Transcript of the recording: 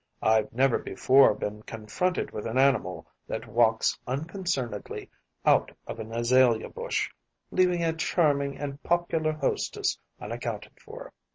I’ve never before been confronted with an animal that walks unconcernedly out of an azalea bush, leaving a charming and popular hostess unaccounted for.